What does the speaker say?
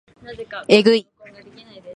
えぐい